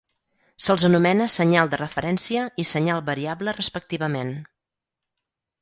Se'ls anomena senyal de referència i senyal variable respectivament.